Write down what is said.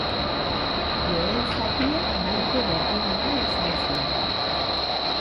Lehen zatia nahiko berdindua izan zen.